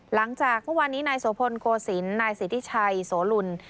หลังจากเมื่อวานนี้นายโสพลโกศิลป์นายสิทธิชัยโสลุล